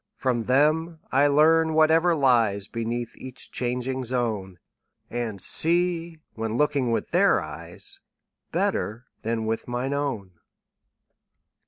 From them I learn whatever lies Beneath each changing zone, And see, when looking with their eyes, 35 Better than with mine own.